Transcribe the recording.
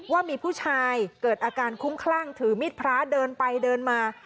ว่ามีผู้ชายเกิดอาการคุ้มคลั่งถือมีดพระเดินไปเดินมา